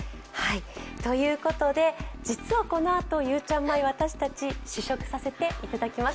実はこのあと、ゆうちゃん米、私たち試食させていただきます。